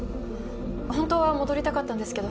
ホントは戻りたかったんですけど